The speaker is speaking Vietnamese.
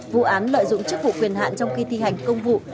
vụ án lợi dụng chức vụ quyền hạn trong khi thi hành công vụ